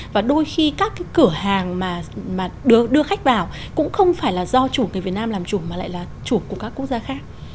và đôi khi các cái cửa hàng mà được đưa khách vào cũng không phải là do chủ người việt nam làm chủ mà lại là chủ của các quốc gia khác